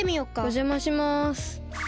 おじゃまします。